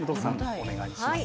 お願いします。